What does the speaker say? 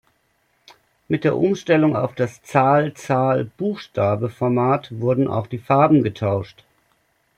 Mit der Umstellung auf das Zahl-Zahl-Buchstabe-Format wurden auch die Farben getauscht.